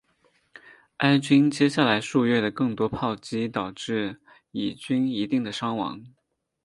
埃军接下来数月的更多炮击导致以军一定的伤亡。